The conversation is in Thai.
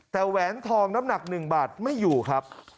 แต่แหวนทองน้ำหนัก๑บาทไม่อยู่ครับ